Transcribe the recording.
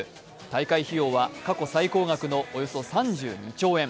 大会費用は過去最高額のおよそ３２兆円。